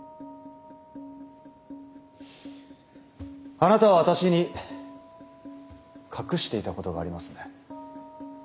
あなたは私に隠していたことがありますね？